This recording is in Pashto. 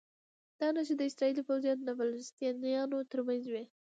دا نښتې د اسراییلي پوځیانو او فلسطینیانو ترمنځ وي.